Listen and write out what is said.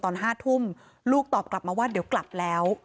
ตอน๕ทุ่มลูกตอบกลับมาว่าเดี๋ยวกลับแล้ว